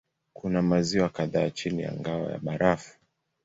Kuna maziwa kadhaa chini ya ngao ya barafu.